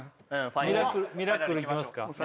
ミラクルいきますか